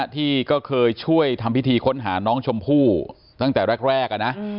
ที่ก็เคยช่วยทำพิธีค้นหาน้องชมพู่ตั้งแต่แรกนะ